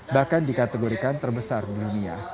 bahkan dikategorikan terbesar di dunia